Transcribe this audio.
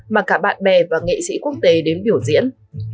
mà cả bạn bè và nghệ sĩ quốc tế đến biểu diễn